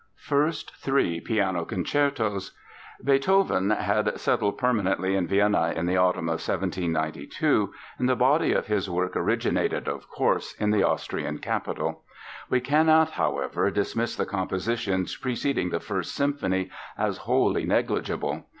] First Three Piano Concertos Beethoven had settled permanently in Vienna in the autumn of 1792 and the body of his work originated, of course, in the Austrian capital. We cannot, however, dismiss the compositions preceding the First Symphony as wholly negligible.